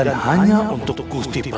dan hanya untuk gusi prabu saja